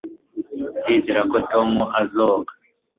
ndizera ko tom azoga